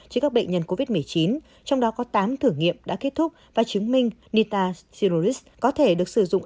trên các bệnh nhân covid một mươi chín trong đó có tám thử nghiệm đã kết thúc và chứng minh nitazuronis có thể được sử dụng